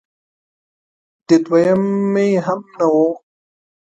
د دویمې هم نه و